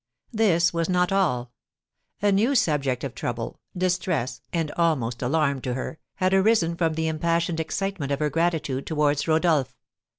This was not all. A new subject of trouble, distress, and almost alarm to her, had arisen from the impassioned excitement of her gratitude towards Rodolph.